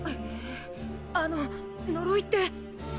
あのっ呪いって！？